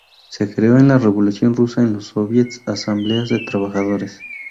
Se creó en la Revolución rusa en los Soviets o Asambleas de Trabajadores.